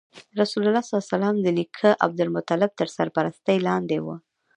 رسول الله ﷺ د نیکه عبدالمطلب تر سرپرستۍ لاندې و.